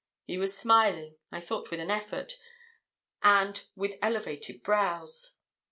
He was smiling I thought with an effort, and with elevated brows.